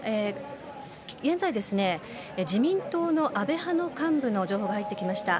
現在、自民党の安倍派の幹部の情報が入ってきました。